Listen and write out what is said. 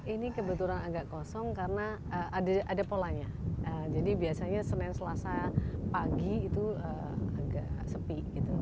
ini kebetulan agak kosong karena ada polanya jadi biasanya senin selasa pagi itu agak sepi